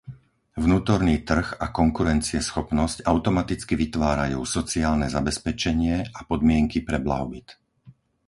Vnútorný trh a konkurencieschopnosť automaticky vytvárajú sociálne zabezpečenie a podmienky pre blahobyt.